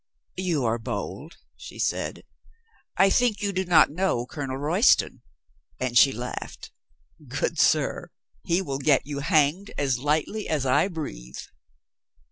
"You are bold," she said. "I think you do not know Colonel Royston." And she laughed. "Good sir, he will get you hanged as lightly as I breathe."